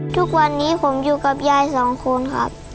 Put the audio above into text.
ทุกวันนี้ผมอยู่กับยายสองคนครับ